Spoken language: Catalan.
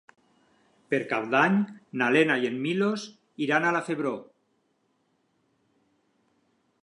Per Cap d'Any na Lena i en Milos iran a la Febró.